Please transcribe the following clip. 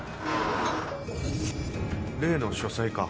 例の書斎か。